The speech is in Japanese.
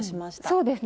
そうですね。